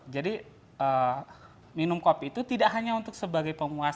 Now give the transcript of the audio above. jadi minum kopi itu tidak hanya untuk sebagai pembelajaran